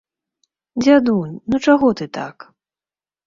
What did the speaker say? Дзядунь, ну чаго ты так?